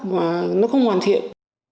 mà nó không hoàn thiện